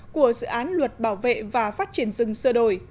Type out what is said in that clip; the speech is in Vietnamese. của dự án luật bảo vệ và phát triển rừng sơ đổi